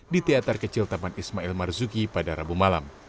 di teater kecil taman ismail marzuki pada rabu malam